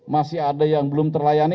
masih ada yang belum terlayani